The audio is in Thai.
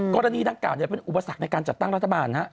กรณีทั้งกลางมีอุปสรรคในการจัดตั้งรัฐบาล